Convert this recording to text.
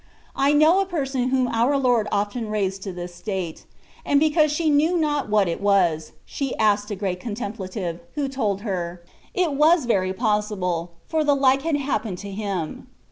I know a person whom our Lord often raised to this state ; sftid because she knew not what it was, she asked a great contemplative, who told her, ''It was very possible,^^* for the like had hap pened to him.